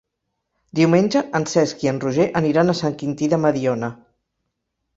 Diumenge en Cesc i en Roger aniran a Sant Quintí de Mediona.